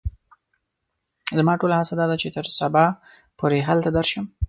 زما ټوله هڅه دا ده چې تر سبا پوري هلته درشم.